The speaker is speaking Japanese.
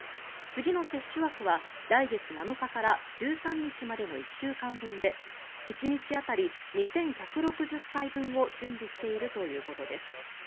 次の接種枠は来月７日から１３日までの１週間分で１日当たり２１６０回分を準備しているということです。